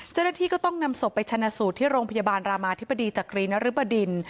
เจ้าหน้าที่ก็ต้องนำศพไปชนะสูตรที่โรงพยาบาลรามาธิบดีจักรีนรึบดิน